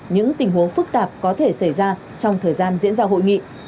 những tình huống phức tạp có thể xảy ra trong thời gian diễn ra hội nghị